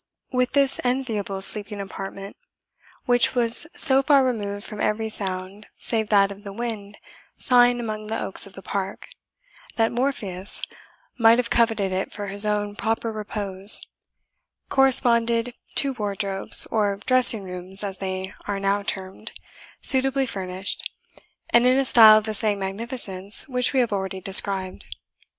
With this enviable sleeping apartment, which was so far removed from every sound save that of the wind sighing among the oaks of the park, that Morpheus might have coveted it for his own proper repose, corresponded two wardrobes, or dressing rooms as they are now termed, suitably furnished, and in a style of the same magnificence which we have already described.